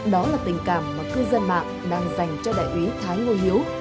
đó là tình cảm mà cư dân mạng đang dành cho đại úy thái ngô hiếu